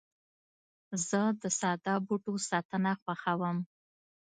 زه د ساده بوټو ساتنه خوښوم.